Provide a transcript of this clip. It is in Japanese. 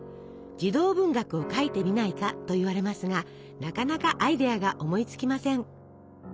「児童文学を書いてみないか」と言われますがなかなかアイデアが思いつきません。